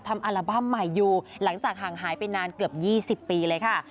อัลบั้มใหม่อยู่หลังจากห่างหายไปนานเกือบ๒๐ปีเลยค่ะ